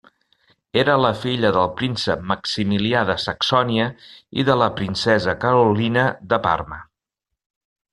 Era la filla del príncep Maximilià de Saxònia i de la princesa Carolina de Parma.